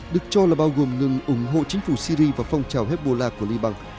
được cho là bao gồm ngừng ủng hộ chính phủ syri và phong trào hezbollah của liban